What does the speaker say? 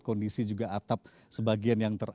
kondisi juga atap sebagian yang